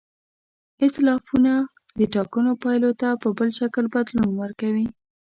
ایتلافونه د ټاکنو پایلو ته په بل شکل بدلون ورکوي.